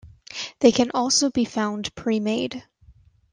They can also be found pre-made.